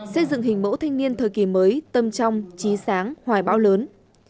xây dựng hình mẫu thanh niên thời kỳ mới tâm trong trí sáng hoài bão lớn